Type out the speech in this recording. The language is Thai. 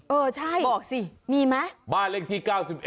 เออใช่มีมั้ยบอกสิบ้านเลขที่๙๑